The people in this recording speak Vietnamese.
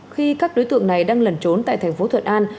khi các đối tượng này đang lẩn trốn tại thành phố thuận an